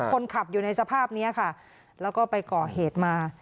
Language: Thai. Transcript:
คนขับอยู่ในสภาพนี้ค่ะแล้วก็ไปก่อเหตุมา